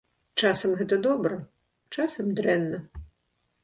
Часам гэта добра, часам дрэнна.